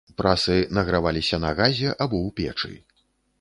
Прасы награваліся на газе або ў печы.